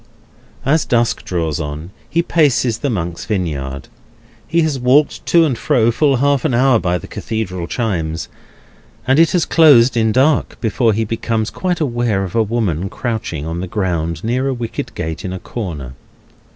As dusk draws on, he paces the Monks' Vineyard. He has walked to and fro, full half an hour by the Cathedral chimes, and it has closed in dark, before he becomes quite aware of a woman crouching on the ground near a wicket gate in a corner.